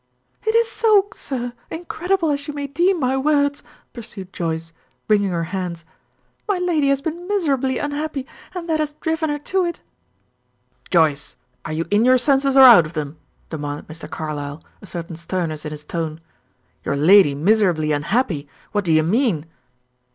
"It is so, sir, incredible as you may deem my words," pursued Joyce, wringing her hands. "My lady has been miserably unhappy; and that has driven her to it." "Joyce, are you in your senses or out of them?" demanded Mr. Carlyle, a certain sternness in his tone. "Your lady miserably unhappy! What do you mean?"